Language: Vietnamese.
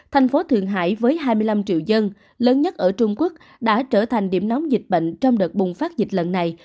thành phố thượng hải với hai mươi năm triệu dân lớn nhất ở trung quốc đã trở thành điểm nóng dịch bệnh trong đợt bùng phát dịch lần này